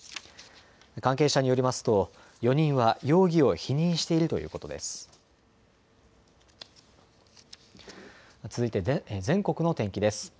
関係者によりますと４人は容疑を否認しているということです。